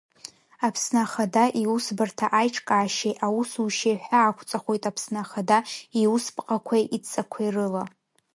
Аԥсны Ахада Иусбарҭа аиҿкаашьеи аусушьеи ҳәаақәҵахоит Аԥсны Ахада иусԥҟақәеи идҵақәеи рыла.